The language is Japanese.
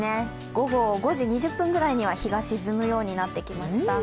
午後５時２０分くらいには日が沈むようになりまた。